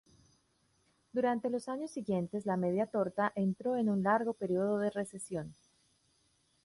Durante los años siguientes, "La Media Torta" entró en un largo período de recesión.